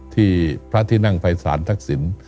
ที่พระธินั่งภัยศาลทักษิณ